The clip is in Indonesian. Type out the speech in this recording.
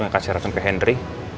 ngekasih ratung ke hendry